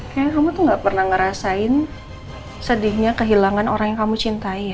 kayaknya kamu tuh gak pernah ngerasain sedihnya kehilangan orang yang kamu cintai